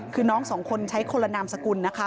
คือน้องสองคนใช้คนละนามสกุลนะคะ